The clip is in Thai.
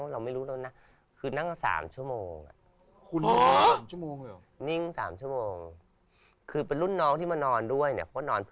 จะไม่รู้สึกตัวเอง